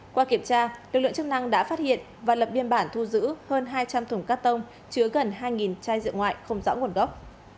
qua kiểm tra lực lượng chức năng đã phát hiện và lập biên bản thu giữ hơn hai trăm linh thùng cắt tông chứa gần hai chai rượu ngoại không rõ nguồn gốc